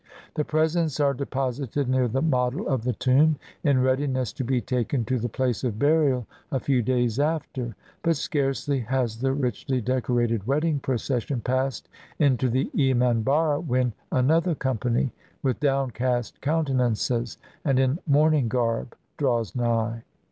The presents are deposited near the model of the tomb, in readiness to be taken to the place of burial a few days after. But scarcely has the richly decorated wedding procession passed into the emanharra when another company, with downcast countenances and in mourning garb, draws nigh.